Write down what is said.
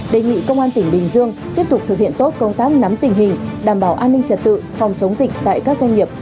đề nghị công an tỉnh bình dương tiếp tục thực hiện tốt công tác nắm tình hình đảm bảo an ninh trật tự phòng chống dịch tại các doanh nghiệp